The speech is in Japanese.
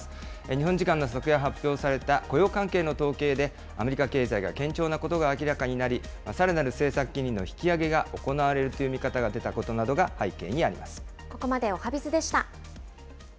日本時間の昨夜発表された雇用関係の統計で、アメリカ経済が堅調なことが明らかになり、さらなる政策金利の引き上げが行われるという見方が出たことなどが背景にあります。